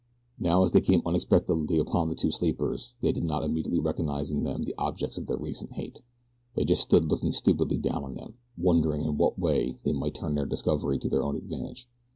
Now as they came unexpectedly upon the two sleepers they did not immediately recognize in them the objects of their recent hate. They just stood looking stupidly down on them, wondering in what way they might turn their discovery to their own advantage.